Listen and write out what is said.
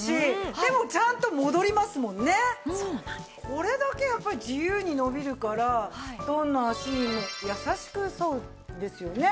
これだけ自由に伸びるからどんな足にも優しそうですよね。